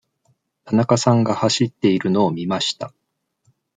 田中さんが走っているのを見ました。